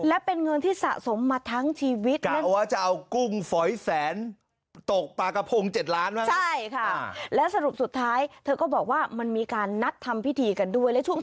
และเป็นเงินที่สะสมมาทั้งชีวิตแก่ว่าจะเอากุ้งฟอยแสน